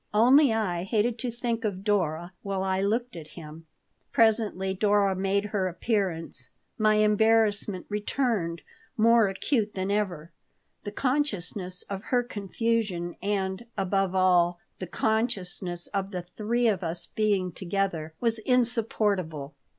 Only I hated to think of Dora while I looked at him Presently Dora made her appearance. My embarrassment returned, more acute than ever. The consciousness of her confusion and, above all, the consciousness of the three of us being together, was insupportable.